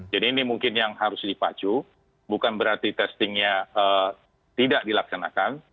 jadi ini mungkin yang harus dipacu bukan berarti testingnya tidak dilaksanakan